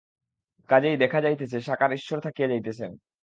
কাজেই দেখা যাইতেছে, সাকার ঈশ্বর থাকিয়া যাইতেছেন।